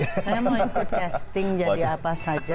saya mau ikut casting jadi apa saja